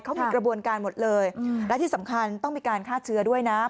เขามีกระบวนการหมดเลยและที่สำคัญต้องมีการฆ่าเชื้อด้วยนะ